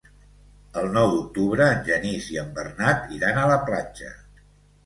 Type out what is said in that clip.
El nou d'octubre en Genís i en Bernat iran a la platja.